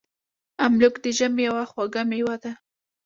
املوک د ژمي یوه خوږه میوه ده.